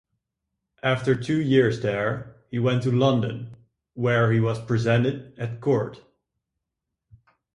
After two years there he went to London, where he was presented at court.